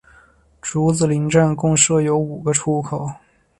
竹子林站共设有五个出口。